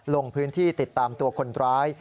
ลงพื้นที่ติดตามตัวคนร้าย